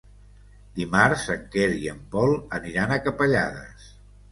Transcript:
Dimarts en Quer i en Pol aniran a Capellades.